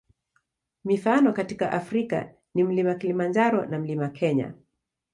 Mifano katika Afrika ni Mlima Kilimanjaro na Mlima Kenya.